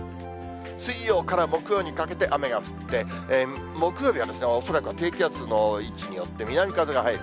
水曜から木曜にかけて雨が降って、木曜日が、恐らくは低気圧の位置によって南風が入る。